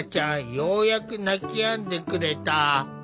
ようやく泣きやんでくれた。